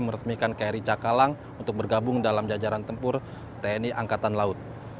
meresmikan kri cakalang untuk bergabung dalam jajaran tempur tni angkatan laut